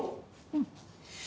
うん。